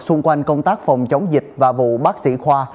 xung quanh công tác phòng chống dịch và vụ bác sĩ khoa